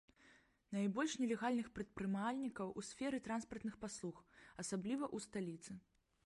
Найбольш нелегальных прадпрымальнікаў у сферы транспартных паслуг, асабліва ў сталіцы.